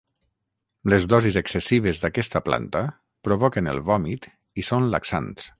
Les dosis excessives d'aquesta planta provoquen el vòmit i són laxants.